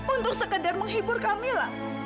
untuk sekedar menghibur kamila